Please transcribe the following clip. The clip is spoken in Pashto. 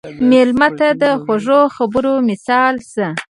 مېلمه ته د خوږو خبرو مثال شه.